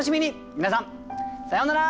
皆さんさようなら。